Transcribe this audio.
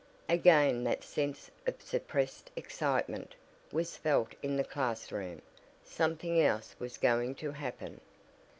Again that sense of suppressed excitement was felt in the class room. Something else was going to happen.